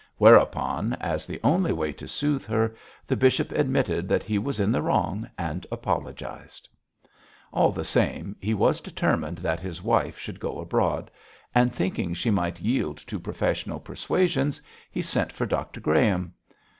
Whereupon, as the only way to soothe her, the bishop admitted that he was in the wrong and apologised. All the same, he was determined that his wife should go abroad, and thinking she might yield to professional persuasions, he sent for Dr Graham.